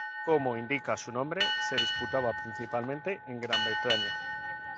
Como indica su nombre, se disputaba principalmente en Gran Bretaña.